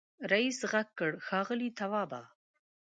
رئيسې غږ کړ ښاغلی توابه.